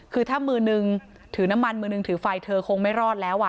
คือถ้ามือนึงถือน้ำมันมือนึงถือไฟเธอคงไม่รอดแล้ว